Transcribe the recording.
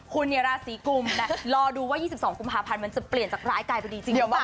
คุณเนี่ยราศีกุมรอดูว่า๒๒กุมภาพันธ์มันจะเปลี่ยนจากร้ายกายพอดีจริงหรือเปล่า